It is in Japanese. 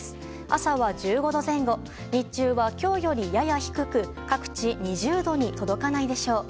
朝は１５度前後日中は今日よりやや低く各地２０度に届かないでしょう。